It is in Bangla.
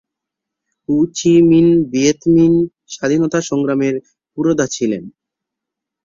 হো চি মিন ভিয়েত মিন স্বাধীনতা সংগ্রামের পুরোধা ছিলেন।